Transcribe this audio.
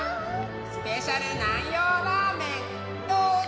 スペシャル南陽ラーメンどうぞ！